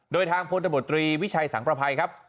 โดยทางพลตบตรีวิชัยสังประภัยครับ